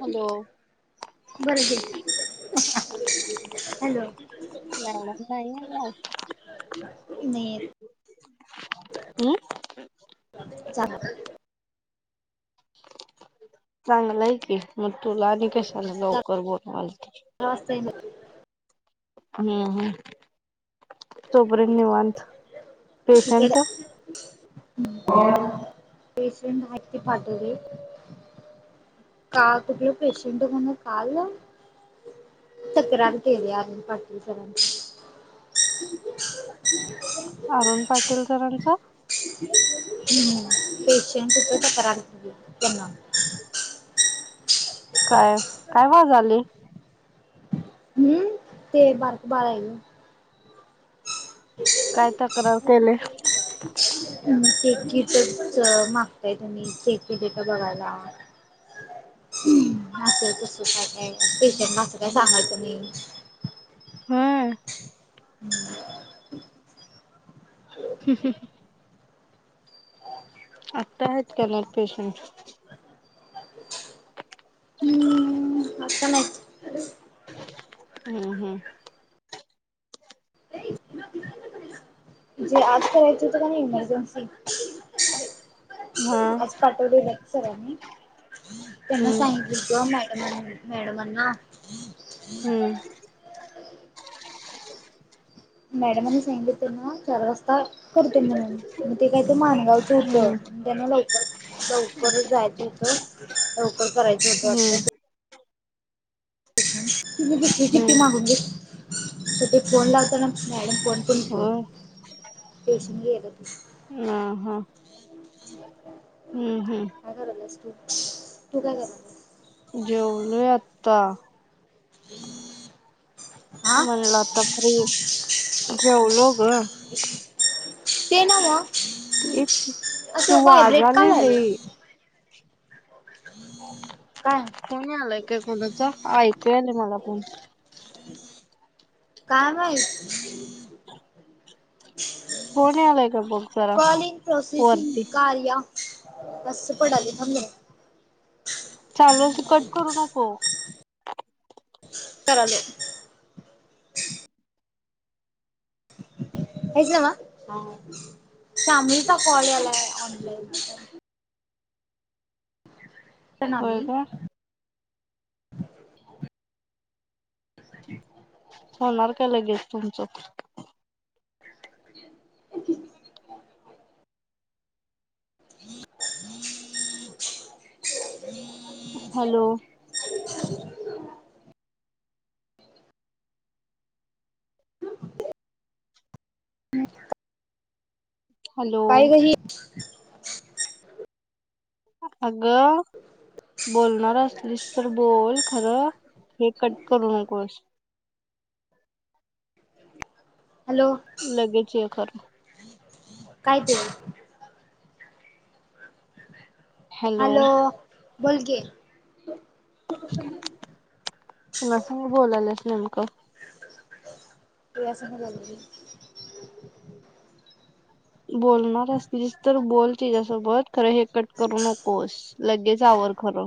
Hello बरं ग hello. [inaudible] नाही येत. हम् जा. चांगलं आहे की मग तुला आणि कशाना लवकर बनवाल. [inaudible] हम्म हम्. तो पर्यंत निवांत. [inaudible] पेशंट पेशंट आहेतती पाठवली का कुठ पेशंट म्हण काल ना. तक्रार केले या पाटील सरन. अरुण पाटील सरांचा. ह्म्म्. [unintelligible] काय काय वाजलय? हम्म. ते [unintelligible] काय तक्रार केले? ते कीटक च मागताय तुम्ही चेक केल का बगायला. असं तस काय काय पेशंट म असं काय सांगायचं नाही. हा [inaudible] ह ह आत्ता आहेत का नाहीग पेशंट हम्म आता नाहीत. हम्म हम्म जे आज करायच होतं का नाही इमर्जन्सी. हा आज पाठवडी बात सरी त्यांना हम्म सांगित बो मॅडम मॅडमना. हम्म मॅडमनी सांगितल ना चारवाजता करतील म्हूणन पण ते काही मानत नाही. [unintelligible] हम्म होत त्यांना लवकर लवकरच जायचं होत ल कर करायच होत हम्म वाट तुम्ही [unintelligible] शि्टी हम्म मागून तर ते फोन लावताना मॅडम फोन पण घेला होय टेशन गलं त ह हा [inaudible] हम्म, हम्म. काय करतस आहे तू? तू काय करते? जेवलोय आता. हम् [unintelligible] आं म्हणलं आता फ्री जेवलो ग [unintelligible] ते नव्ह तेच ते असं व्हायब्रेट का वाजालय वायलं? लई काय. फोन आयलाय काय कोणाच ऐकू यायला मला फोन. काय माहीत. फोन आलाय का बघ जरा कॉलिंग प्रोसेसिंग वरती कार्या. बस पण आली म्हणून. चालू अस कट करू नको. करालो. हेच ना म शामलीचा कॉल यालाय ऑनलाइन. हा, मी. होय का [unintelligible] होणार काय लगेच तुमच? [unintelligible] हम हम [unintelligible] हॅलो. [unintelligible] हॅलो. काय ग ही. अगं बोलणार असलीस तर बोल खरं हे कट करू नकोस. हॅलो. लगेच हे कर. काय ते हॅलो बोलकी कुणा संग बोलायल्यास नेमक? तुयासंग बोलते. बोलणार असलिसच तर बोल तीच्यासोबत खरं हे कट करू नकोस. लगेच आवर खर.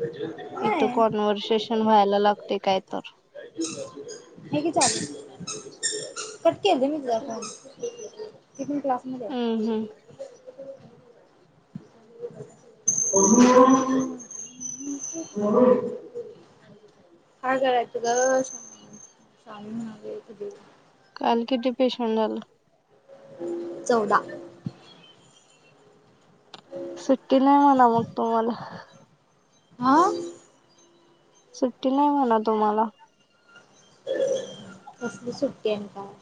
बज [unintelligible] इथं कॉन्व्हर्सेशन व्हायला लागते काय तर. हाय की चावी कट केलती मी तुझा फोन. ती पण क्लास मध्ये हम्म आहे. हम्म [unintelligible] काय करायच ग सांगना. काल किती पेशंट झाले? चौवदा. सुट्टी नाही म्हणा मग तुम्हाला. आं सुट्टी नाही म्हणा तुम्हाला. कसली सुट्टी आणि काय.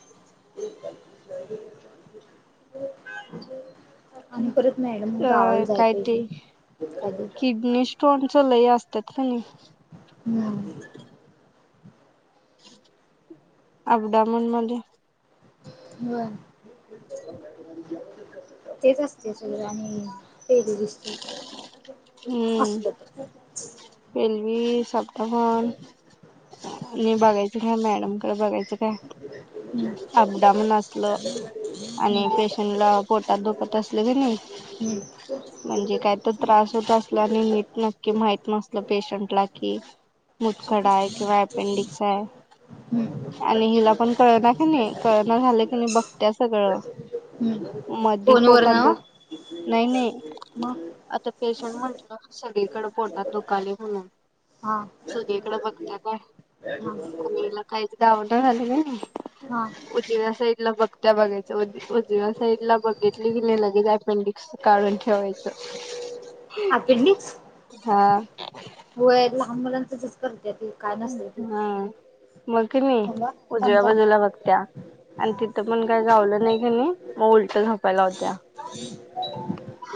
ह् [inaudible] आणि परत मॅडम अ गावाला जाय काय ते पाहिजे कधी किडनी स्टोनच लय असतात का नाही. हम्म आप डाऊन म्हणजे? बर! तेच असते सगळ आणि टेलिव्हिजन. असलं तर रल्वी साप्टहन मी बघायच काय, मॅडमकडे बघायचं काय. हम! अपडाऊन असल आणि हम्म पेशंटला पोटात दुखत असलं की नाही हम्म! म्हणजे काय तर त्रास होत असला, आणि नीट नक्की माहि नसल पेशंट ला कि मुतखडा आहे, किंवा अपेंडिक्स आहे. हम्म आणि हिला पण कळना की नाही कळना झालं की नाही बघत्या सगळं. हम्म मधी फोनवर पोटात ना दुख नाही, नाही मग आता पेशंट म्हटलं सगळीकडे पोटात दुखायले म्हणून हा सुदेकडं बघत्या पण हा आणिला काहीच दावड झाली हा उजव्या साईडला बघत्या बघायच उजिव्या साईड ला बघितली की नाही लगेच अपेंडिक्स काडून ठेवायचं. अपेंडिक्स हा. होय लहान मुलांंच तसंच करते ती. काय नसते ती हा! मग कि मी थांबा थांब उजव्या थांब बाजूला बघत्या. आणि तिथं पण काय गावलं नाही की नाही, मग उलट झपायला लावत्या.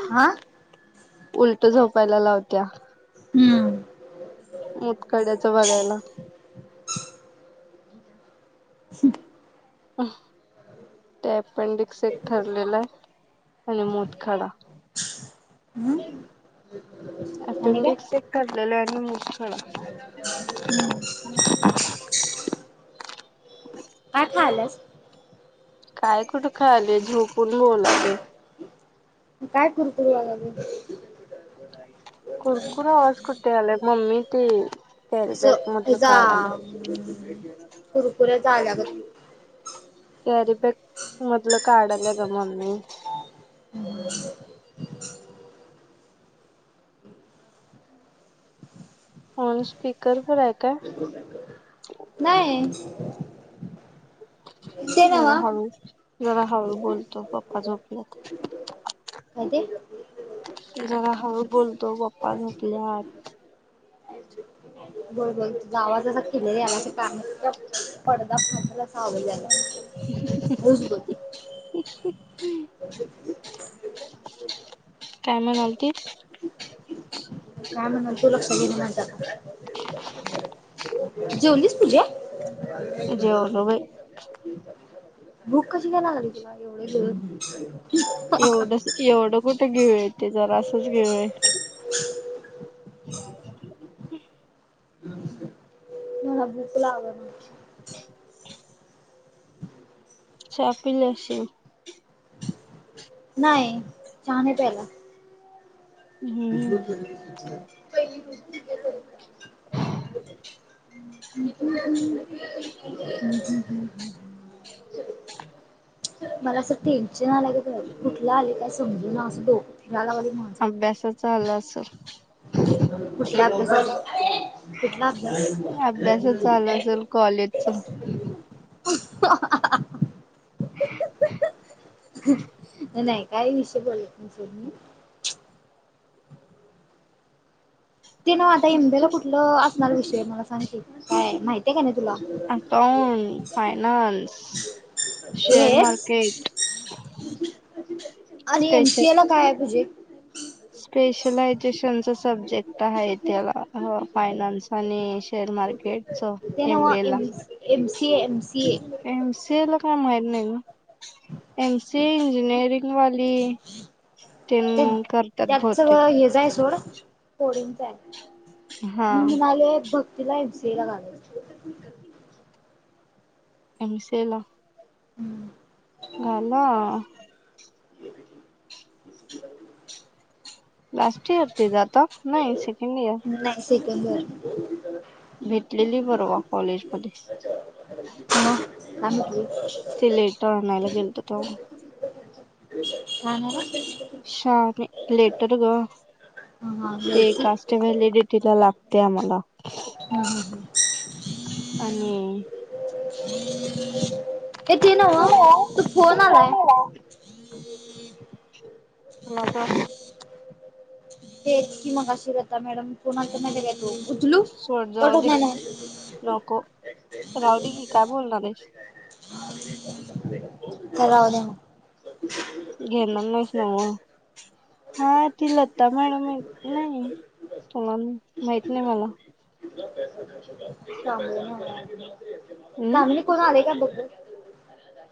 आ उलट झोपायला लावत्या. हम्म! मुतखड्याच बघायला. हम! [inaudible] ते अपेंडिक्स एक ठरलेल हाय आणि मुतखडा. हम्म आणि काय अपेंडिक्स एक ठरलेलं हाय आणि मुतखडा काय खायाल्यास? काय कुठ खायालोय झोपून बोलायले. काय कुर कुर यायलय. कुरकुर आवाज कुटे यायलय मम्मी ते कॅरी असं बॅग मधलं हेजा काढाल्या कुरकुरे चा आल्यागत ‌ कॅरीबॅग मधलं काढाल्या ग मम्मी. [inaudible] फोन स्पीकर वर हाय काय? नाय. जरा नव्ह हाळू, जरा हाळू बोलतो पप्पा झोपल्यात. काय ते? जरा हळू बोलतो पप्पा झोपल्यात. बर बर तुझा आवाज असा खीदळया यायलाय आसा कानाचा पडदा फाटल आसा आवाज यायलाय. हाळूच बोल. [inaudible] [inaudible] काय म्हणालतीस? काय म्हणालतो लक्षात येना माझ्या, जेवलीस पूज्या? [inaudible] जेवलो बाई भूक कशी काय लागली तुला येवढ्य गिळून एवढंस एवढं कुठ गीळलोय ते जरासच गीळलोय [inaudible] मला भूक लागणा चहा पिली आशील नाय चहा नाय प्याला हम्म [unintelligible] [inaudible] [unintelligible] [inaudible] मला असं टेन्शन आल्यागत व्हायलय कुठलं आलाय काय समजना असं डोकं फिरायलागलय माझं अभ्यासाचा आल असल कुठल्या अभ्यासाच कुठला अभ्यास असल कॉलेजचा [inaudible] नाय काय विषय बोलत नय सोड मी ते काय आता एम. बी. ए. ला कुठलं असणार विषय मला सांग की काय माहिती माहिती हाय काय नाय तुला अकाउंट, फायनान्स, शेअर हे मार्केट, आणि एम. सी. ए. ला काय हाय तुझी स्पेशलायझेशनच सब्जेक्ट हाय त्याला ह फायनान्स आणि शेअर मार्केट च ते एम. Now B. ए. ला M. C. A., M. C. A. M. C. A ला काय माहीत नाय ग एम. सी. ए. इंजिनिअरिंग वाली तेन करत्यात भावतेक सगळ हेच हाय सोड पोरींच हाय हा मी म्हणालोय भक्तीला एम. सी. ए ला घालायचं एम. सी. ए. ला हम घाला. ये भी ठीक इ [unintelligible] लास्ट इयर ते जात नाही सेकंड इयर. नाय सेकंड इयर भेटलेली परवा कॉलेज मध्ये मग काय म्हंटली ते लेटर आणायला गेलतो तव्हा हा हा हा [inaudible] शा म लेटर ग हा हा ते लवची कास ते व्हॅलिडिटी ला लागते आम्हाला. ह ह ह. आणि ये ते न्हव तू फोन आलाय. कुणाचा? तेच की मगाशी लता मॅडम. कोणाचा माहिती का तो, उचलू सोड कट जाऊ होत दे नाय नव्हा, राहुदे की काय बोलणार आहेस. तर राहूदे मग घेणार नाहीस नव. हा ती लता मॅडम नाही तुला माहित नाही मला. [unintelligible] हम्म धामणी कोण आलंय काय बग ग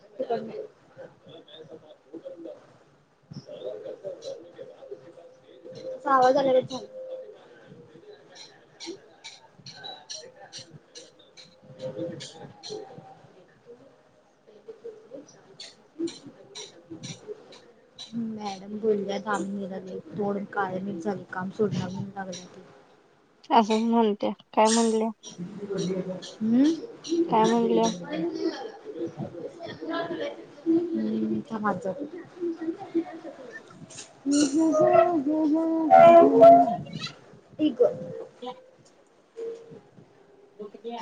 ह [unintelligible] तसा आवाजच आल्यावरच झालं. मॅडम [unintelligible] तोंड काळ मिट झालय काम सोडणारण लागला ते. आहो म्हणतंय काय म्हनल्या. हम्म. हम् म्हणल्या थांब अट जाते. ठीक [unintelligible] ह हो [unintelligible] दुःख द्य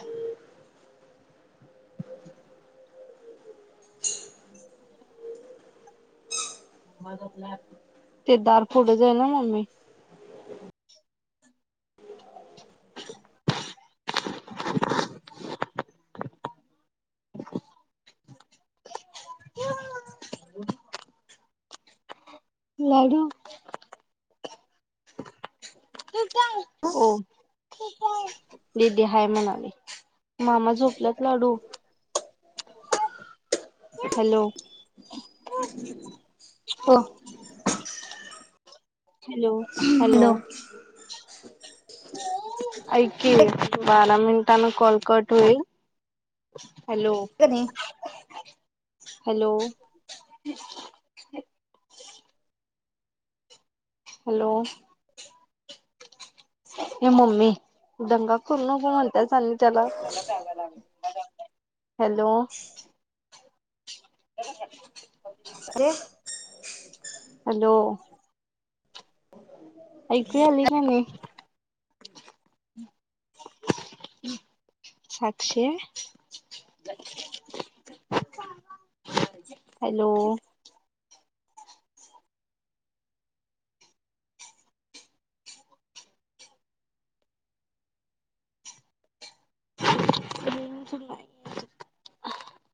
ते दार पुुढच आहे ना मम्मी. [unintelligible] लाडू. हो देदी हय म्हणाली [inaudible] मामा झोपलाच लाडू हॅलो. हो. Hello hello. ऐक बारा मिनिटान कोलकट होईल. हॅलो. क हॅलो हॅलो. हे ममी दंगा करुनको म्हण काय झालं त्याला हॅलो, ह [unintelligible] ह [unintelligible] ते हॅलो. ऐकू आली का नाहे. सातशे. हॅलो. [inaudible]